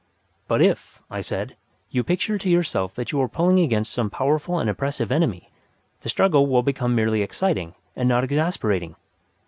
"But if," I said, "you picture to yourself that you are pulling against some powerful and oppressive enemy, the struggle will become merely exciting and not exasperating.